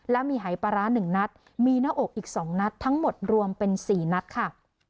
และมีหายปลาร้า๑นัดมีหน้าอกอีก๒นัดทั้งหมดรวมเป็น๔นัดค่ะ